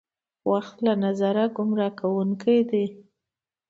وخت له نظره ګمراه کوونکې ده.